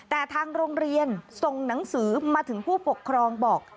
แต่ทางโรงเรียนส่งหนังสือมาถึงผู้ปกครองบอก